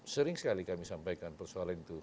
sering sekali kami sampaikan persoalan itu